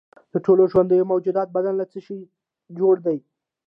د ټولو ژوندیو موجوداتو بدن له څه شي جوړ دی